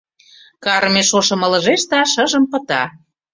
Карме шошым ылыжеш да шыжым пыта.